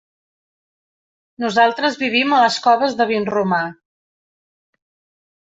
Nosaltres vivim a les Coves de Vinromà.